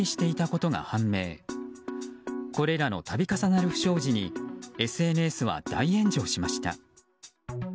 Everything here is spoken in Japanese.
これらの度重なる不祥事にＳＮＳは大炎上しました。